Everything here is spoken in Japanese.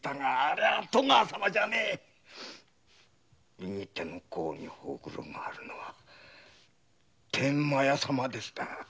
右手の甲に黒子があるのは天満屋様ですだ。